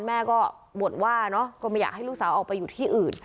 แม่ก็บ่นว่าเนอะก็ไม่อยากให้ลูกสาวออกไปอยู่ที่อื่น